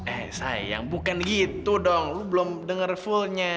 eh sayang bukan gitu dong lu belum denger fullnya